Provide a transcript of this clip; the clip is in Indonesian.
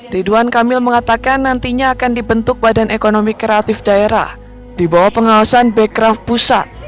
ridwan kamil mengatakan nantinya akan dibentuk badan ekonomi kreatif daerah di bawah pengawasan bekraf pusat